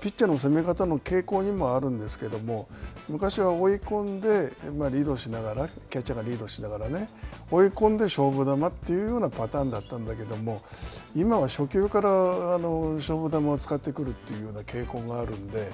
ピッチャーの攻め方の傾向にもあるんですけども、昔は追い込んでリードしながら、キャッチャーがリードしながら、追い込んで勝負球というようなパターンだったんだけども、今は初球から勝負球を使ってくるというような傾向があるので。